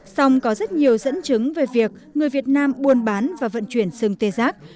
song có rất nhiều dẫn chứng về việc người việt nam buôn bán và vận chuyển sừng tê giác